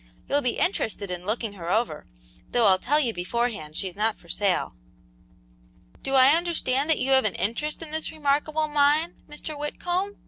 You'll be interested in looking her over, though I'll tell you beforehand she's not for sale." "Do I understand that you have an interest in this remarkable mine, Mr. Whitcomb?"